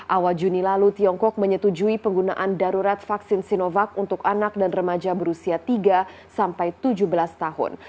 awal juni lalu tiongkok menyetujui penggunaan darurat vaksin sinovac untuk anak dan remaja berusia tiga sampai tujuh belas tahun